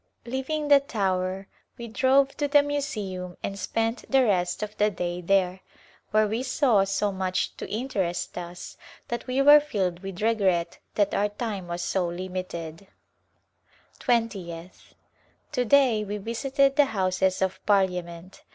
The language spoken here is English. Leaving the Tower we drove to the Museum and spent the rest of the day there, where we saw so much to interest us that we were filled with regret that our time was so limited. Twentieth, To day we visited the Houses of Parliament.